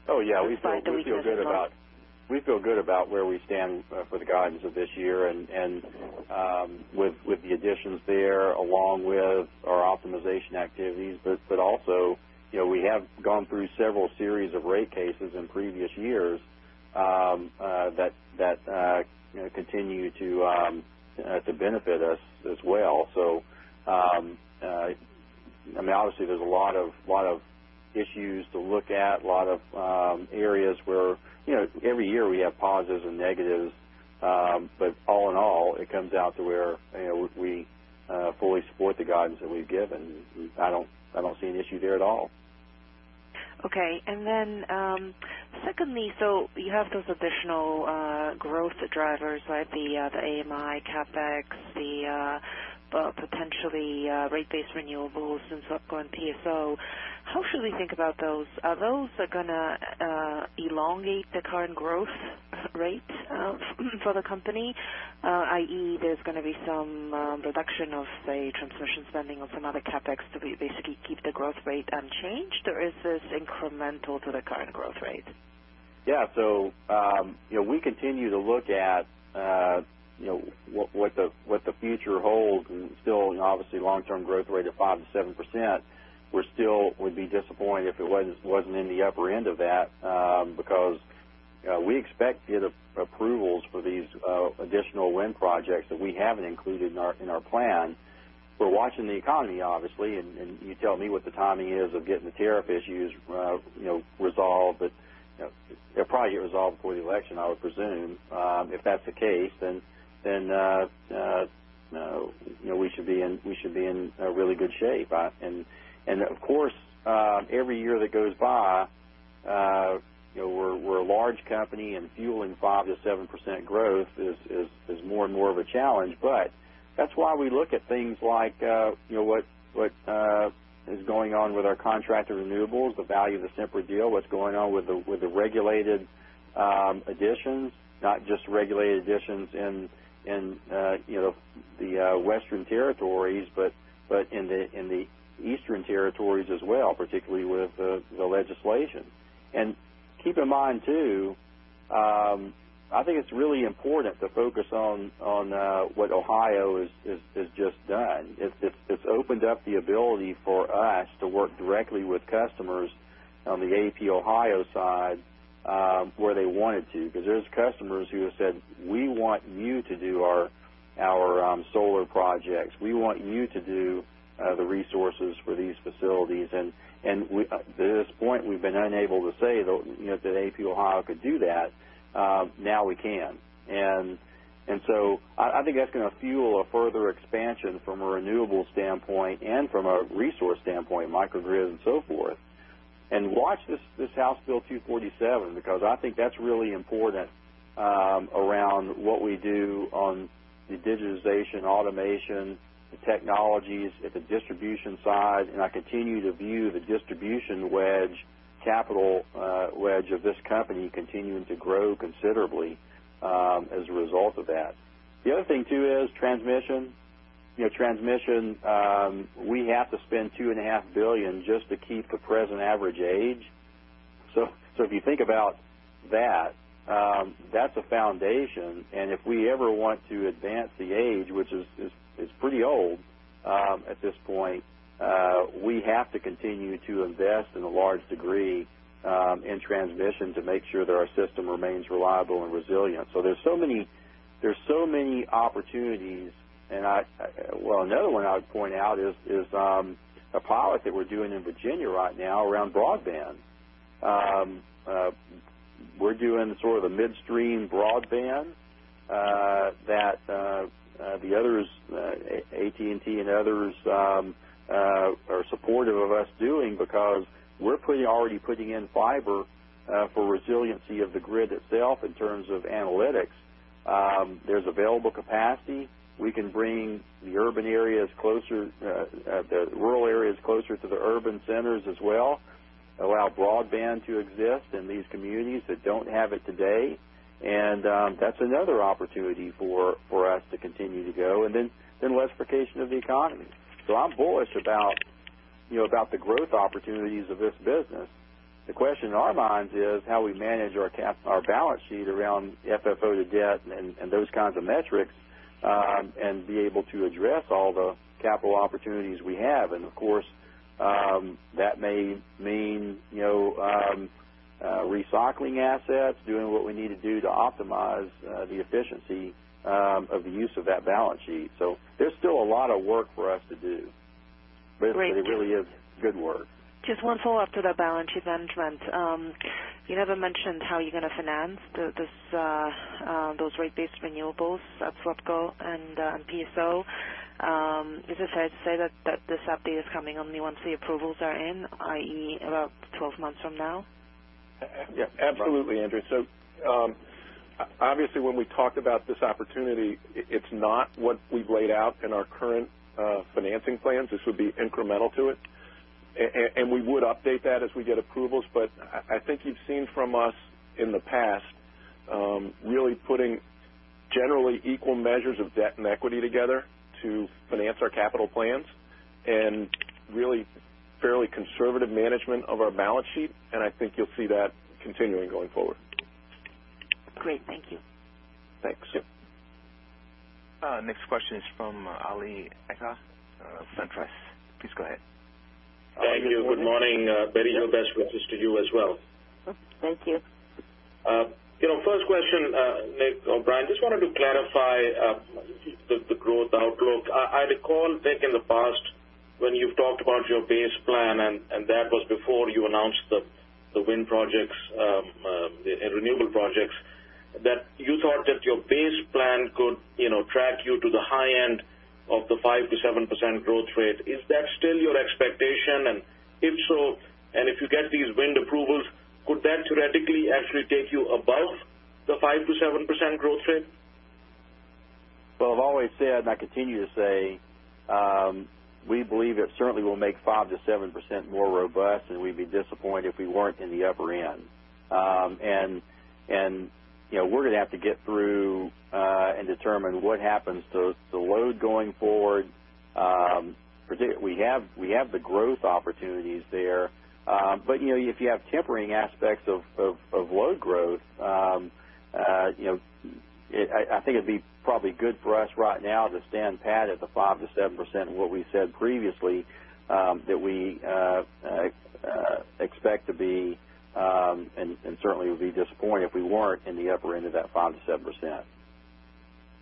Oh, yeah. Do we still have more? We feel good about where we stand for the guidance of this year and with the additions there, along with our optimization activities. Also, we have gone through several series of rate cases in previous years that continue to benefit us as well. Obviously, there's a lot of issues to look at, a lot of areas where every year we have positives and negatives. All in all, it comes out to where we fully support the guidance that we've given, and I don't see an issue there at all. Secondly, you have those additional growth drivers, right? The AMI, CapEx, the potential rate-based renewables in SWEPCO/PSO. How should we think about those? Are those that are going to elongate the current growth rate for the company, i.e., there's going to be some reduction of say, transition spending or some other CapEx to basically keep the growth rate unchanged, or is this incremental to the current growth rate? We continue to look at what the future holds. Still, obviously, long-term growth rate of 5%-7%, we still would be disappointed if it wasn't in the upper end of that, because we expect the approvals for these additional wind projects that we haven't included in our plans. We're watching the economy, obviously, and you tell me what the economy is, and get the tariff issues resolved. If they're probably resolved before the election, I would presume. If that's the case, we should be in really good shape. Of course, every year that goes by, we're a large company, and fueling 5%-7% growth is more and more of a challenge. That's why we look at things like what's going on with our contracted renewables, the value of the Sempra deal, what's going on with the regulated additions, not just regulated additions in the Western territories, but in the Eastern territories as well, particularly with the legislation. Keep in mind too, I think it's really important to focus on what Ohio has just done. It's opened up the ability for us to work directly with customers on the AEP Ohio side, where they wanted to. These are customers who have said, "We want you to do our solar projects. We want you to do the resources for these facilities." Up to this point, we've been unable to say to AEP Ohio, "To do that, now we can." I think that's going to fuel a further expansion from a renewables standpoint and from a resource standpoint, microgrid and so forth. Watch this House Bill 247, because I think that's really important around what we do on the digitization, automation, the technologies at the distribution side. I continue to view the distribution wedge, capital wedge of this company continuing to grow considerably, as a result of that. The other thing, too, is transmission. We have to spend two and a half billion dollars just to keep the present average age. If you think about that's a foundation. If we ever want to advance the age, which is pretty old at this point, we have to continue to invest in a large degree in transmission to make sure that our system remains reliable and resilient. There's so many opportunities. Another one I would point out is a pilot that we're doing in Virginia right now around broadband. We're doing sort of a midstream broadband, that the others, AT&T and others, are supportive of us doing, because we're already putting in fiber for resiliency of the grid itself in terms of analytics. There's available capacity. We can bring the rural areas closer to the urban centers as well, allow broadband to exist in these communities that don't have it today. That's another opportunity for us to continue to go. Then simplification of the economy. I'm bullish about the growth opportunities of this business. The question on our minds is how we manage our balance sheet around FFO-to-debt and those kinds of metrics, and be able to address all the capital opportunities we have. Of course, that may mean recycling assets, doing what we need to do to optimize the efficiency of the use of that balance sheet. There's still a lot of work for us to do. Great. It really is good work. Just one follow-up to that balance sheet management. You haven't mentioned how you're going to finance those rate-based renewables at SWEPCO and PSO. Is it fair to say that this update is coming only once the approvals are in, i.e., about 12 months from now? Yes, absolutely, Angie. Obviously, when we talk about this opportunity, it's not what we've laid out in our current financing plans. This would be incremental to it. We would update that as we get approvals. I think you've seen from us in the past, really putting generally equal measures of debt and equity together to finance our capital plans, and really fairly conservative management of our balance sheet. I think you'll see that continuing going forward. Great. Thank you. Thanks. Next question is from Ali Agha, SunTrust. Please go ahead. Thank you. Good morning. Bette Jo [inauduble] with the Studio as well. Thank you. First question, Nick or Brian, just wanted to clarify the growth outlook. I recall Nick in the past when you've talked about your base plan, and that was before you announced the wind projects, the renewable projects, that you thought that your base plan could track you to the high end of the 5%-7% growth rate. Is that still your expectation? If so, and if you get these wind approvals, could that theoretically actually take you above the 5%-7% growth rate? Well, I've always said, and I continue to say, we believe it certainly will make 5%-7% more robust, and we'd be disappointed if we weren't in the upper end. We're going to have to get through and determine what happens to the load going forward. For today, we have the growth opportunities there. If you have tapering aspects of load growth, I think it'd be probably good for us right now to stand pat at the 5%-7%, what we've said previously, that we expect to be, and certainly would be disappointed if we weren't in the upper end of that 5%-7%.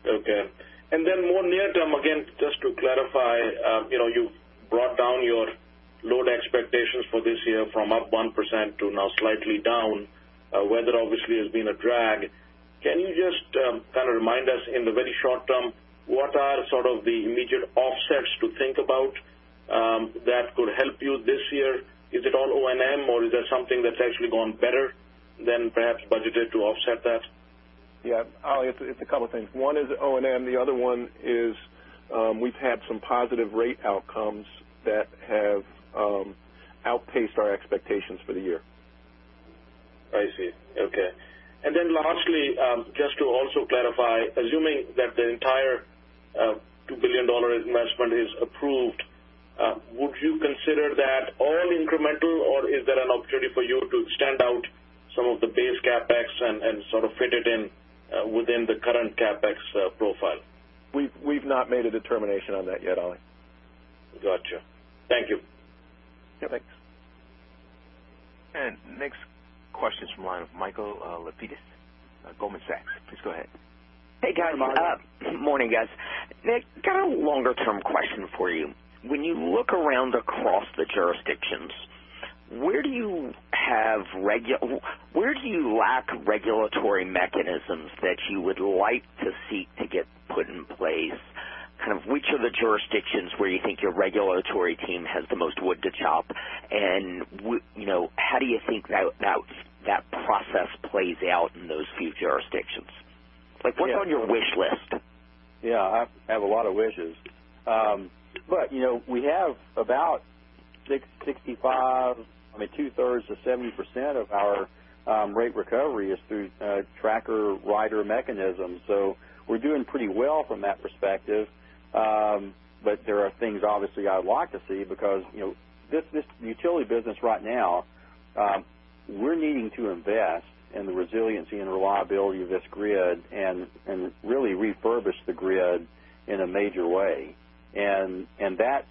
Okay. One near-term, again, just to clarify. You brought down your load expectations for this year from up 1% to now slightly down. Weather obviously has been a drag. Can you just kind of remind us in the very short term, what are sort of the immediate offsets to think about that could help you this year? Is it all O&M or is there something that's actually going better than perhaps budgeted to offset that? Yeah, Ali, it's a couple things. One is O&M, the other one is we've had some positive rate outcomes that have outpaced our expectations for the year. I see. Okay. Lastly, just to also clarify, assuming that the entire $2 billion investment is approved, would you consider that all incremental, or is there an opportunity for you to stand out some of the base CapEx and sort of fit it in within the current CapEx profile? We've not made a determination on that yet, Ali. Gotcha. Thank you. Yeah, thanks. Next question's from Michael Lapides, Goldman Sachs. Please go ahead. Hey, guys. Morning, guys. Nick, kind of a longer-term question for you. When you look around across the jurisdictions, where do you lack regulatory mechanisms that you would like to seek to get put in place? Kind of which of the jurisdictions where you think your regulatory team has the most work to do? How do you think that process plays out in those few jurisdictions? Like, what are on your wish list? Yeah, I have a lot of wishes. We have about 65, three-thirds or 70% of our rate recovery is through tracker rider mechanisms. We're doing pretty well from that perspective. There are things obviously I would like to see because this utility business right now, we're needing to invest in the resiliency and reliability of this grid and really refurbish the grid in a major way. That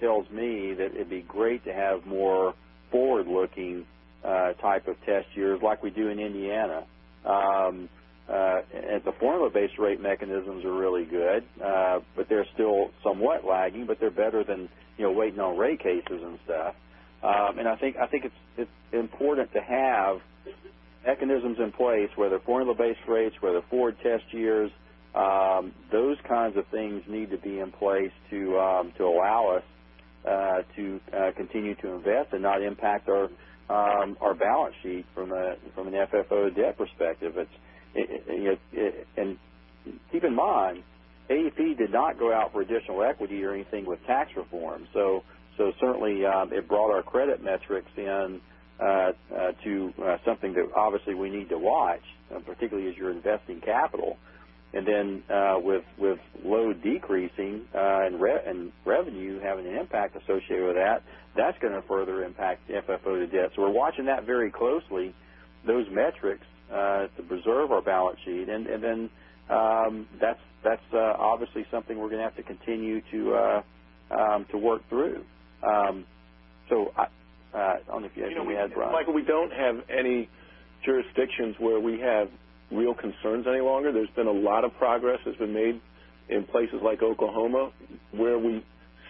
tells me that it'd be great to have more forward-looking type of test years like we do in Indiana. The formula-based rate mechanisms are really good. They're still somewhat lagging, but they're better than waiting on rate cases and stuff. I think it's important to have mechanisms in place, whether formula-based rates, whether forward test years. Those kinds of things need to be in place to allow us to continue to invest and not impact our balance sheet from an FFO debt perspective. Keep in mind, AEP did not go out for additional equity or anything with tax reform. Certainly, they've grown our credit metrics to something that obviously we need to watch, particularly as you're investing capital. With load decreasing and revenue having an impact associated with that's going to further impact FFO debt. We're watching that very closely, those metrics, to preserve our balance sheet. That's obviously something we're going to have to continue to work through. On the FFO, Michael, we don't have any jurisdictions where we have real concerns any longer. There's been a lot of progress that's been made in places like Oklahoma, where we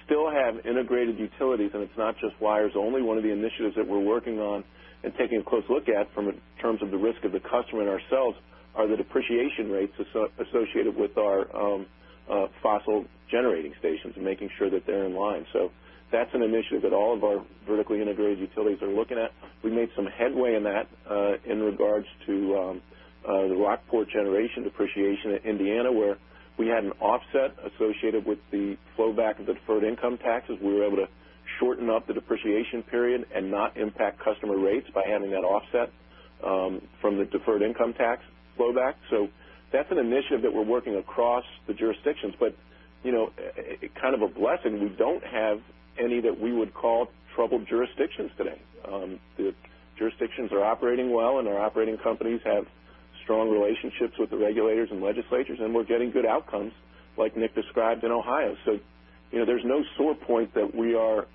still have integrated utilities, and it's not just wires. Only one of the initiatives that we're working on and taking a close look at from in terms of the risk to the customer and ourselves are the depreciation rates associated with our fossil generating stations and making sure that they're in line. That's an initiative that all of our vertically integrated utilities are looking at. We made some headway in that in regards to the Rockport generation depreciation in Indiana, where we had an offset associated with the flowback of the deferred income taxes. We were able to shorten up the depreciation period and not impact customer rates by having that offset from the deferred income tax flowback. That's an initiative that we're working across the jurisdictions. It's kind of a blessing we don't have any that we would call troubled jurisdictions today. The jurisdictions are operating well, and our operating companies have strong relationships with the regulators and legislatures, and we're getting good outcomes, like Nick described in Ohio. There's no sore point that we are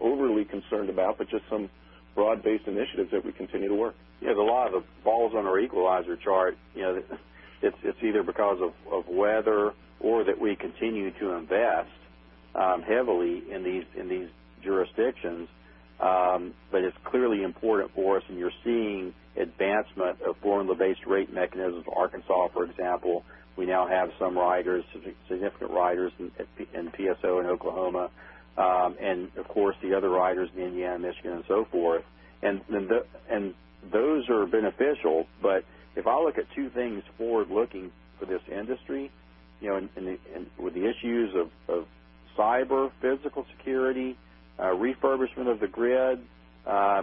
overly concerned about, but just some broad-based initiatives that we continue to work. We have a lot of balls on our equalizer chart. It's either because of weather or that we continue to invest heavily in these jurisdictions. It's clearly important for us, and you're seeing advancement of formula-based rate mechanisms. Arkansas, for example, we now have some riders, significant riders in PSO in Oklahoma. Of course, the other riders in Indiana, Michigan, and so forth. Those are beneficial. If I look at two things forward-looking for this industry, with the issues of cyber, physical security, refurbishment of the grid,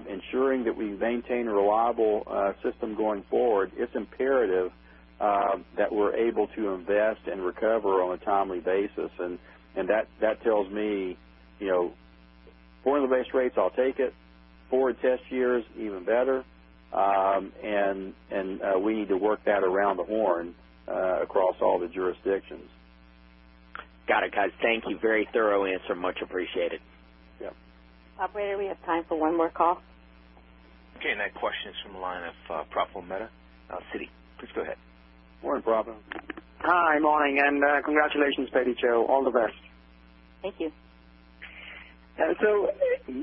ensuring that we maintain a reliable system going forward, it's imperative that we're able to invest and recover on a timely basis. That tells me formula-based rates, I'll take it. Forward test year is even better. We need to work that around the horn across all the jurisdictions. Got it. Thank you. Very thorough answer. Much appreciated. Yeah. Operator, we have time for one more call. Okay. That question is from the line of Praful Mehta of Citi. Please go ahead. Morning, Praful. Hi, morning, and congratulations, Bette Jo, all the best. Thank you.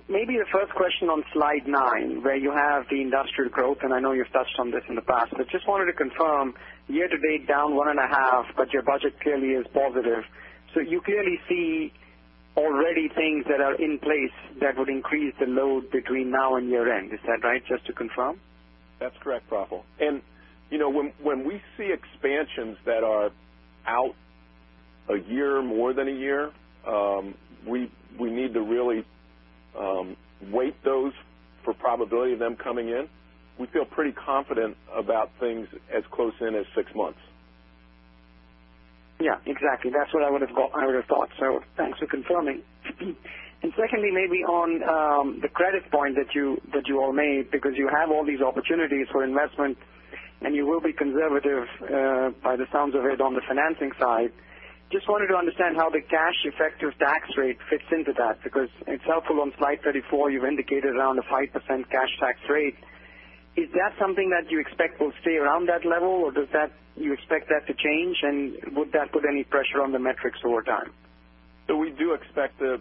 Maybe the first question on slide nine, where you have the industrial growth, and I know you've touched on this in the past, but just wanted to confirm, year-to-date down one and a half, but your budget clearly is positive. You clearly see already things that are in place that would increase the load between now and year-end. Is that right? Just to confirm. That's correct, Praful. When we see expansions that are out a year or more than a year, we need to really weight those for probability of them coming in. We feel pretty confident about things as close in as six months. Yeah, exactly. That's what I would have thought. Thanks for confirming. Secondly, maybe on the credit point that you all made, because you have all these opportunities for investment and you will be conservative, by the sounds of it, on the financing side. Just wanted to understand how the cash effective tax rate fits into that, because it's helpful on slide 34, you've indicated around a 5% cash tax rate. Is that something that you expect will stay around that level, or do you expect that to change, and would that put any pressure on the metrics over time? We do expect the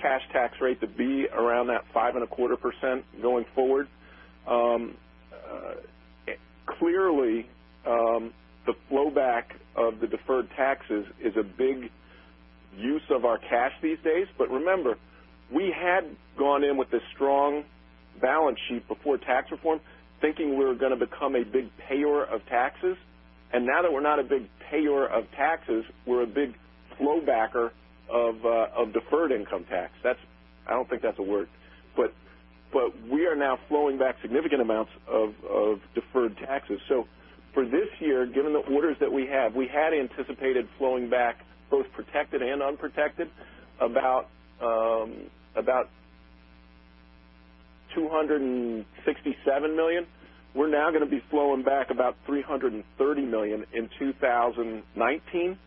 cash tax rate to be around that 5.25% going forward. Clearly, the flow back of the deferred taxes is a big use of our cash these days. Remember, we had gone in with a strong balance sheet before tax reform, thinking we were going to become a big payer of taxes. Now that we're not a big payer of taxes, we're a big flow backer of deferred income tax. I don't think that's a word. We are now flowing back significant amounts of deferred taxes. For this year, given the orders that we have, we had anticipated flowing back, both protected and unprotected, about $267 million. We're now going to be flowing back about $330 million in 2019.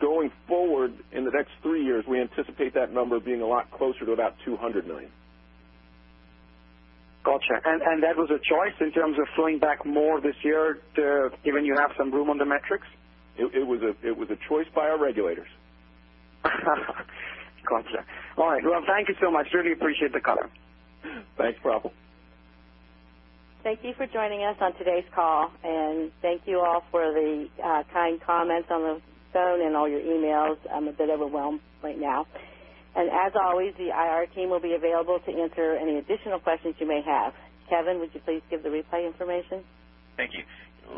Going forward in the next three years, we anticipate that number being a lot closer to about $200 million. Gotcha. That was a choice in terms of flowing back more this year, given you have some room on the metrics? It was a choice by our regulators. Gotcha. All right. Well, thank you so much. Really appreciate the color. Thanks, Praful. Thank you for joining us on today's call, and thank you all for the kind comments on the phone and all your emails. I'm a bit overwhelmed right now. As always, the IR team will be available to answer any additional questions you may have. Kevin, would you please give the replay information? Thank you.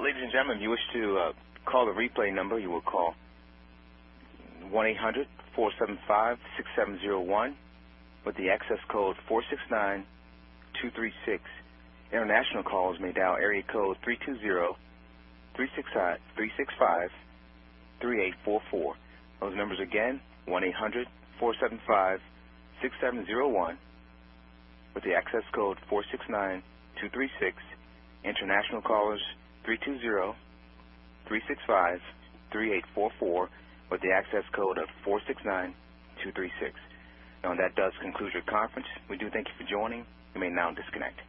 Ladies and gentlemen, if you wish to call the replay number, you will call 1-800-475-6701 with the access code 469236. International callers may dial area code 320-365-3844. Those numbers again, 1-800-475-6701 with the access code 469236. International callers, 320-365-3844 with the access code of 469236. Now that does conclude your conference. We do thank you for joining. You may now disconnect.